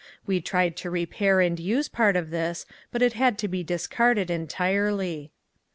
We tried to repair and use part of this but it had to be discarded entirely.